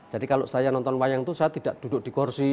jadi kalau saya nonton wayang itu saya tidak duduk di kursi